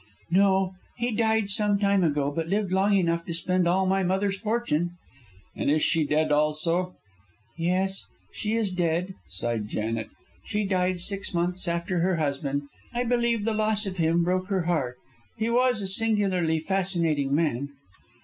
"No, he died some time ago, but lived long enough to spend all my mother's fortune." "And is she dead also?" "Yes, she is dead," sighed Janet. "She died six months after her husband. I believe the loss of him broke her heart. He was a singularly fascinating man."